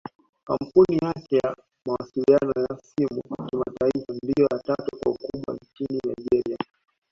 Kampuni yake ya mawasiliano ya simu kimataifa ndio ya tatu kwa ukubwa nchini Nigeria